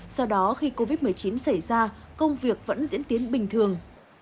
do đó khi covid một mươi chín xảy ra công việc vẫn diễn tiến bình thường